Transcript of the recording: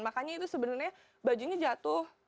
makanya itu sebenarnya bajunya jatuh